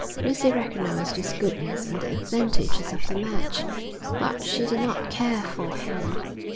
Lucy recognised his goodness and the advantages of the match, but she did not care for him.